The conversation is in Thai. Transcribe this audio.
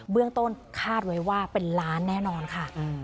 เรื่องต้นคาดไว้ว่าเป็นล้านแน่นอนค่ะ